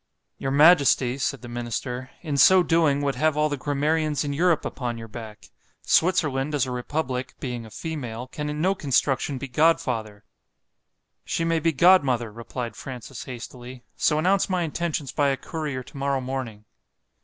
——Your majesty, said the minister, in so doing, would have all the grammarians in Europe upon your back;——Switzerland, as a republic, being a female, can in no construction be godfather.—She may be godmother, replied Francis hastily—so announce my intentions by a courier to morrow morning.